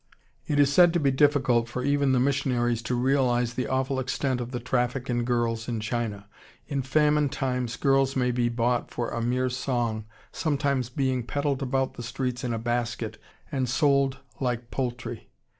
It is said to be difficult for even the missionaries to realize the awful extent of the traffic in girls in China. In famine times girls may be bought for a mere song, sometimes being peddled about the streets in a basket and sold like poultry.